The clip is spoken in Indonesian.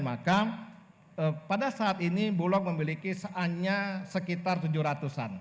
maka pada saat ini bulog memiliki hanya sekitar tujuh ratus an